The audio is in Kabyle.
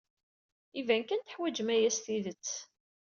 Iban kan teḥwajem aya s tidet.